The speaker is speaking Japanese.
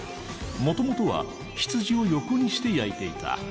もともとは羊を横にして焼いていた。